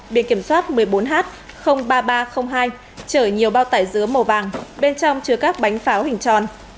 biên kiểm soát một mươi bốn h ba nghìn ba trăm linh hai chở nhiều bao tải dứa màu vàng bên trong chứa các bánh pháo hình tròn